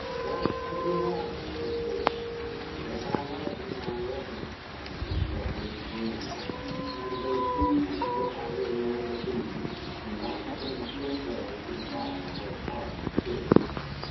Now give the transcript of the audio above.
"What's to do now?" said Willis. "Take our medicine, I reckon," answered Fletcher, grimly. And they seized the tottering man between them, and marched him straightway to the fire where Clark stood.